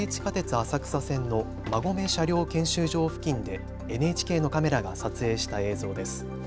浅草線の馬込車両検修場付近でＮＨＫのカメラが撮影した映像です。